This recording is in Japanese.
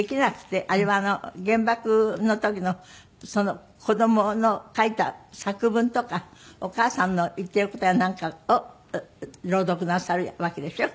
あれは原爆の時の子供の書いた作文とかお母さんの言っている事やなんかを朗読なさるわけでしょ？